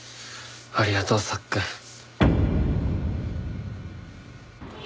ありがとうさっくん。